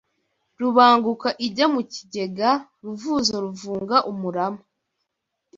Rubanguka ijya mu kigega ruvuzo ruvunga umurama